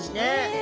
え！